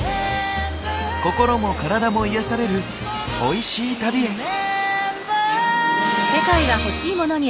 心も体も癒やされるおいしい旅へ！